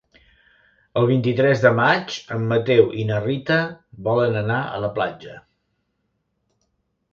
El vint-i-tres de maig en Mateu i na Rita volen anar a la platja.